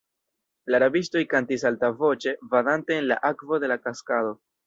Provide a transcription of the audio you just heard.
La rabistoj kantis altavoĉe, vadante en la akvo de la kaskado.